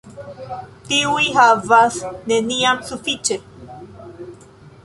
Tiuj havas neniam sufiĉe.